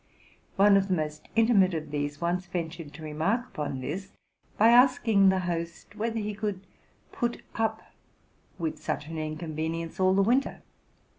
One of the most intimate of these once ventured to remark upon this, by asking the host whether he could put up with such an inconvenience all the winter.